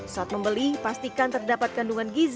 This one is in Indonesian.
saat membeli pastikan terdapat kandungan gizi